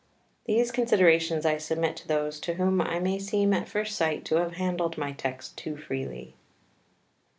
These considerations I submit to those to whom I may seem at first sight to have handled my text too freely.